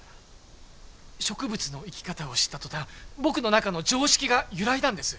植物の生き方を知った途端僕の中の常識が揺らいだんです。